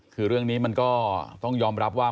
คือเรื่องนี้มันก็ต้องยอมรับว่า